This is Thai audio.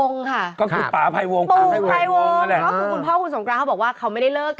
งอนกันเดี๋ยวก็ดีกันไม่มีอะไรหรอก